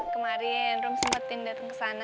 kemarin ruh sempetin datang ke sana